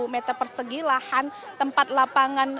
seribu meter persegi lahan tempat lapangan